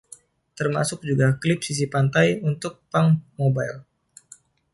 Termasuk juga klip sisi pantai untuk Punkmobile.